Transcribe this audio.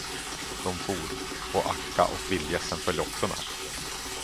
De for, och Akka och vildgässen följde också med.